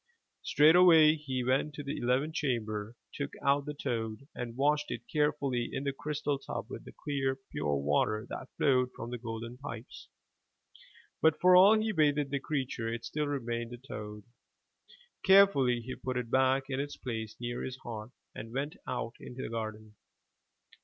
Straightway he went to the eleventh chamber, took out the toad and washed it carefully in the crystal tub with the clear, pure water that flowed from the golden pipes. But for all he bathed the creature, it still remained a toad. Carefully he put it back in its place near his heart and went out into the garden.